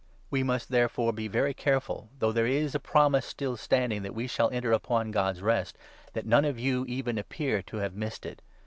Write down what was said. We must, therefore, be very careful, though there is a promise still standing that we shall enter upon God's Rest, that none of you even appear to have missed it.